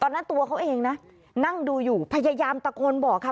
นั้นตัวเขาเองนะนั่งดูอยู่พยายามตะโกนบอกค่ะ